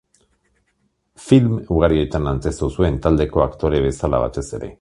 Film ugarietan antzeztu zuen, taldeko aktore bezala batez ere.